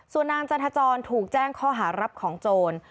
ส่วนนางจันทจรถูกแจ้งข้อหารับของโจร